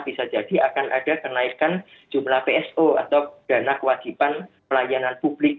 bisa jadi akan ada kenaikan jumlah pso atau dana kewajiban pelayanan publik